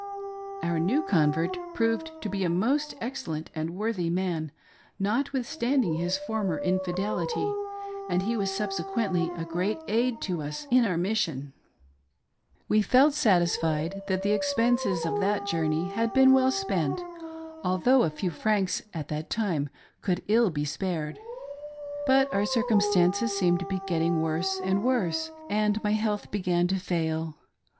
Our new convert proved to be a most excellent and worthy man, notwithstanding his former infidelity, and he was subse quently a great aid to us in our mission. We felt satisfied 8 ilH "THE LORD WILL PROVIDE. that the expenses of that journey had been well spent, although a few francs at that time could ill be spared. But our circumstances seemed to be getting worse and worse, and my health began to fail.